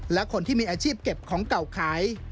และคนที่มีอาชีพเก็บของเก่าขาย